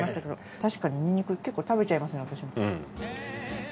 確かにニンニク結構食べちゃいますね私も。